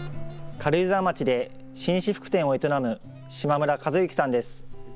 軽井沢町で紳士服店を営む島邑和之さんです。